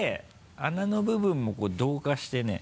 穴の部分もこう同化してね。